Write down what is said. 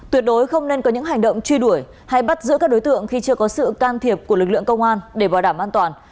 tuyệt đối không nên có những hành động truy đuổi hay bắt giữ các đối tượng khi chưa có sự can thiệp của lực lượng công an để bảo đảm an toàn